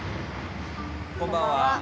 こんばんは。